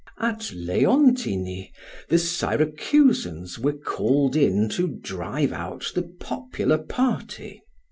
At Leontini the Syracusans were called in to drive out the popular party.